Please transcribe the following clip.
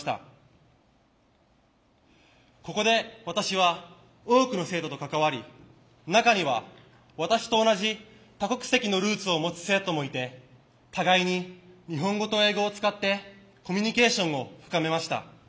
ここで私は多くの生徒と関わり中には私と同じ多国籍のルーツを持つ生徒もいて互いに日本語と英語を使ってコミュニケーションを深めました。